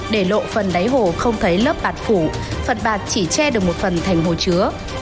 để lộ phần đáy hồ không thấy lớp bạc phủ phần bạc chỉ che được một phần thành hồ chứa